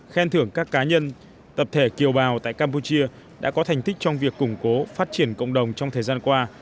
khen thưởng các cá nhân tập thể kiều bào tại campuchia đã có thành tích trong việc củng cố phát triển cộng đồng trong thời gian qua